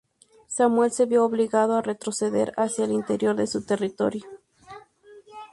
Samuel se vio obligado a retroceder hacia el interior de su territorio.